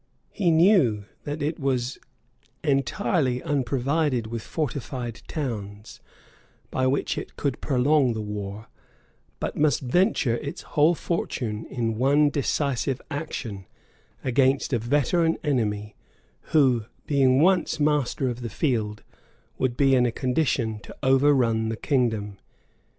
He knew that it was entirely unprovided with fortified towns, by which it could prolong the war; but must venture its whole fortune in one decisive action, against a veteran enemy, who, being once master of the field, would be in a condition to overrun the kingdom.